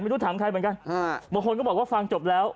ไม่รู้ถามใครเหมือนกันบางคนก็บอกว่าฟังจบแล้ว